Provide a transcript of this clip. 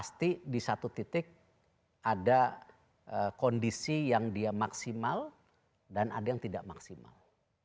jadi di satu titik ada kondisi yang dia maksimal dan ada yang tidak maksimal